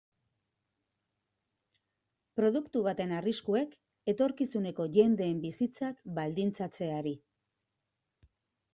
Produktu baten arriskuek etorkizuneko jendeen bizitzak baldintzatzeari.